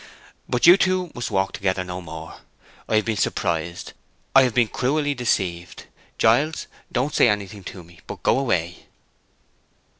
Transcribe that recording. "But you two must walk together no more—I have been surprised—I have been cruelly deceived—Giles, don't say anything to me; but go away!"